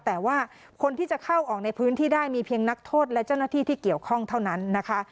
แต่ว่าคนที่จะเข้าออกในพื้นที่ได้มีเพียงนักโทษและเจ้าหน้าที่ที่เกี่ยวข้องเท่านั้นนะคะ